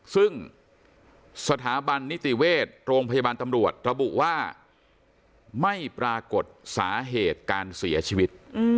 ซึ่งสถาบันนิติเวชโรงพยาบาลตำรวจระบุว่าไม่ปรากฏสาเหตุการเสียชีวิต